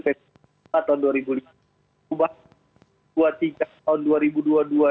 perubahannya dua puluh tiga tahun dua ribu dua puluh dua